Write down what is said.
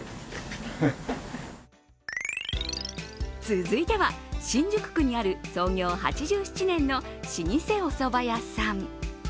続いては、新宿区にある創業８７年の老舗おそば屋さん。